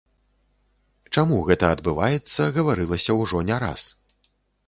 Чаму гэта адбываецца, гаварылася ўжо не раз.